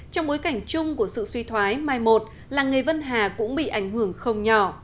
trong bối cảnh chung của sự suy thoái mai một làng nghề vân hà cũng bị ảnh hưởng không nhỏ